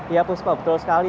ya puspa betul sekali